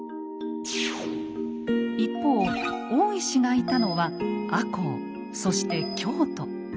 一方大石がいたのは赤穂そして京都。